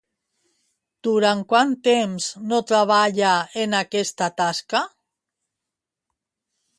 Durant quant temps no treballà en aquesta tasca?